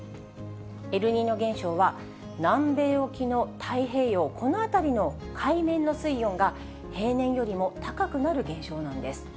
エルニーニョ現象は、南米沖の太平洋、この辺りの海面の水温が平年よりも高くなる現象なんです。